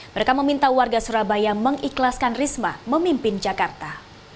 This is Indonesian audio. mereka meminta warga surabaya mengikhlaskan risma memimpin jakarta